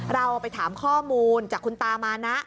เราไปถามข้อมูลจากคุณตามานะ